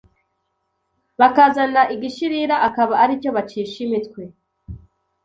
bakazana igishirira akaba aricyo bacisha imitwe